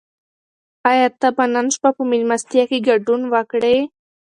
آیا ته به نن شپه په مېلمستیا کې ګډون وکړې؟